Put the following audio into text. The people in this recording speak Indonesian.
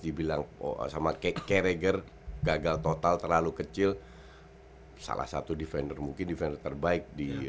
dibilang sama careger gagal total terlalu kecil salah satu defender mungkin defender terbaik di